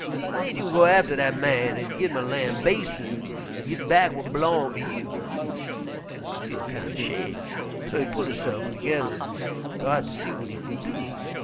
Whyn't you go atter dat man an' gin him a lambastin' an' git back w'at b'long to you?' He feel kind er 'shame', so he pull hisse'f toge'rr an' go out ter see w'at he kin do.